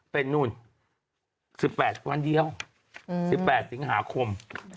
เป็นนู่น๑๘วันเดียว๑๘สิงหาคม